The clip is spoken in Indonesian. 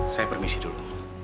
saya permisi dulu